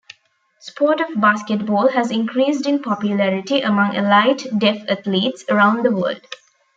Sport of basketball has increased in popularity among elite deaf athletes around the world.